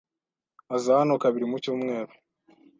Aza hano kabiri mu cyumweru.